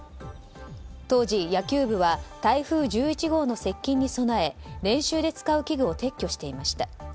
当時、野球部は台風１１号の接近に備え練習で使う器具を撤去していました。